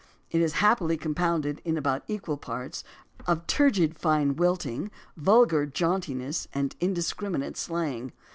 It is happily compounded in about equal parts of turgid fine wilt ing, vulgar jauntiness, and indiscriminate slang.